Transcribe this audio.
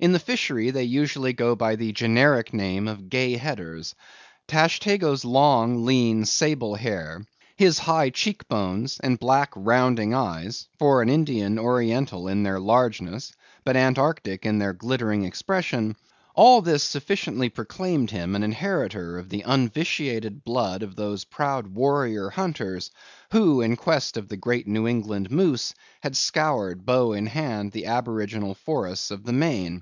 In the fishery, they usually go by the generic name of Gay Headers. Tashtego's long, lean, sable hair, his high cheek bones, and black rounding eyes—for an Indian, Oriental in their largeness, but Antarctic in their glittering expression—all this sufficiently proclaimed him an inheritor of the unvitiated blood of those proud warrior hunters, who, in quest of the great New England moose, had scoured, bow in hand, the aboriginal forests of the main.